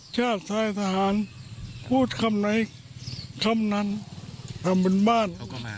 แชททายสหารพูดคำไหนคำนั้นทำเป็นบ้าน